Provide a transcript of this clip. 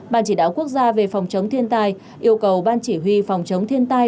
ban chỉ đạo quốc gia về phòng chống thiên tai yêu cầu ban chỉ huy phòng chống thiên tai